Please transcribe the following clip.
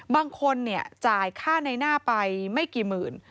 บางคนเนี่ยจ่ายค่าในหน้าไปไม่กี่หมื่น